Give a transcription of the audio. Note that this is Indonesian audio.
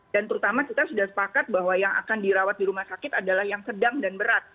dan terutama kita sudah sepakat bahwa yang akan dirawat di rumah sakit adalah yang sedang dan berat